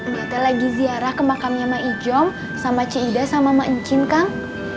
niatnya lagi ziarah ke makamnya ma ijom sama ci ida sama ma encin kang